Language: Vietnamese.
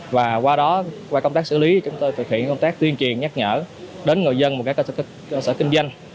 và qua đó qua công tác xử lý chúng tôi thực hiện công tác tuyên truyền nhắc nhở đến người dân và các cơ sở kinh doanh